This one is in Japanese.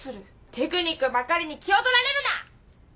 「テクニックばかりに気を取られるな！」です！